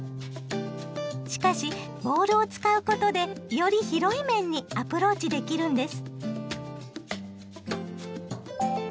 しかしボールを使うことでより広い面にアプローチできるんです！